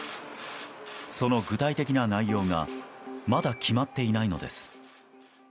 その具体的な内容がまだ決まっていないのです。